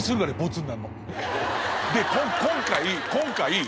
で今回今回。